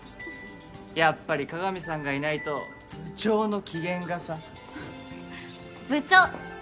やっぱり鏡さんがいないと部長の機嫌がさ。部長！